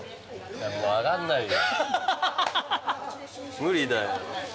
無理だよ。